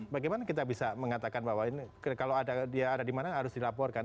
bagaimana kita bisa mengatakan bahwa ini kalau dia ada di mana harus dilaporkan